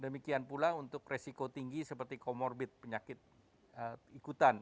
demikian pula untuk resiko tinggi seperti comorbid penyakit ikutan